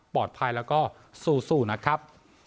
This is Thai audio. ปลอดภัยแล้วก็สู่นะครับ